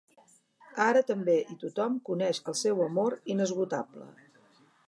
Ara també i tothom coneix el seu amor inesgotable.